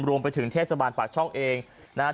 รวมไปถึงเทศบาลปากช่องเองนะครับ